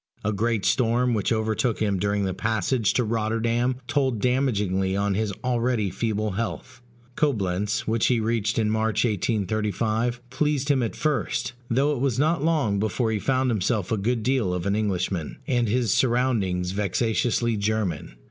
A great storm which overtook him during the passage to Rotterdam told damagingly on his already feeble health. Coblentz, which he reached in March, 1835, pleased him at first; though it was not long before he found himself a good deal of an Englishman, and his surroundings vexatiously German.